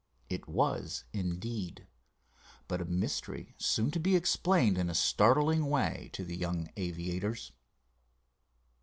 It was, indeed, but a mystery soon to be explained in a startling way to the young aviators.